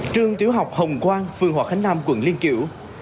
trường tiểu học hồng quang phường hòa khánh nam quận liên kiểu